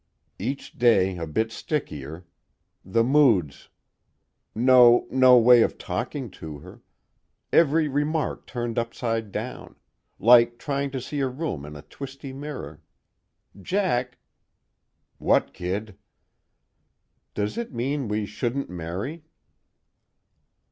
"Each day a bit stickier. The moods. No no way of talking to her. Every remark turned upside down. Like trying to see a room in a twisty mirror.... Jack " "What, kid?" "Does it mean we shouldn't marry?"